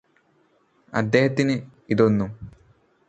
അദ്ദേഹത്തിന് ഇതൊന്നും